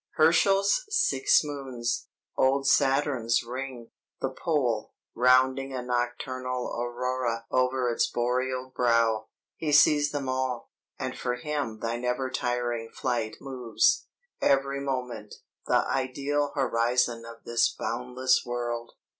"Herschel's six moons, old Saturn's ring, the pole, rounding a nocturnal aurora over its boreal brow, he sees them all; and for him thy never tiring flight moves, every moment, the ideal horizon of this boundless world.